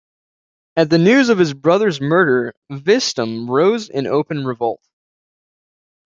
At the news of his brother's murder, Vistahm rose in open revolt.